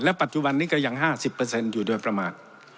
ปัจจุบันนี้ก็ยัง๕๐อยู่โดยประมาท